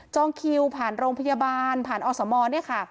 คิวผ่านโรงพยาบาลผ่านอสมเนี่ยค่ะ